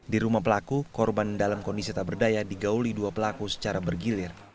di rumah pelaku korban dalam kondisi tak berdaya digauli dua pelaku secara bergilir